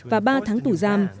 và ba tháng tù giam